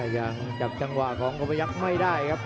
อย่างจับจังหวะของโคมยักษ์ให้ได้ครับ